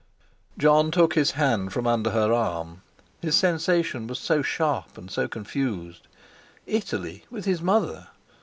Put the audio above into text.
Jon took his hand from under her arm; his sensation was so sharp and so confused. Italy with his mother!